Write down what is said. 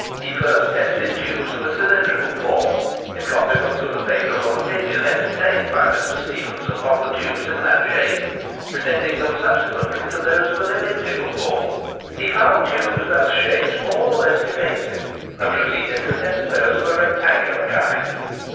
He first tested tubes of a cylindrical form, in consequence of the favourable opinion entertained by Mr. Stephenson of the tubes in that shape, extending them subsequently to those of an elliptical form. {329b} He found tubes thus shaped more or less defective, and proceeded to test those of a rectangular kind.